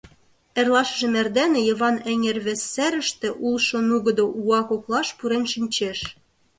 Эрлашыжым эрдене Йыван эҥер вес серыште улшо нугыдо уа коклаш пурен шинчеш.